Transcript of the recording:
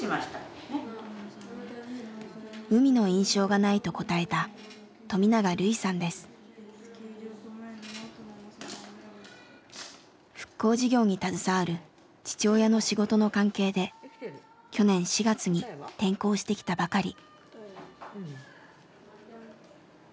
海の印象がないと答えた復興事業に携わる父親の仕事の関係で去年４月に転校してきたばかり。